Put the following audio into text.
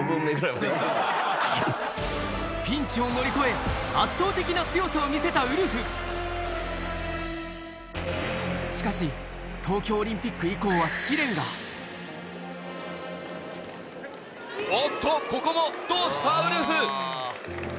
ピンチを乗り越えを見せたウルフしかし東京オリンピック以降はおっとここもどうしたウルフ。